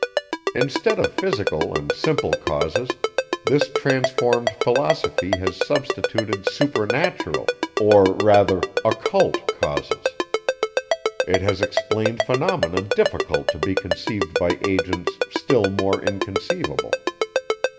Instead of physical and simple causes, this transformed philosophy has substituted supernatural, or rather, occult causes; it has explained phenomena difficult to be conceived by agents still more inconceivable.